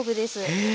へえ。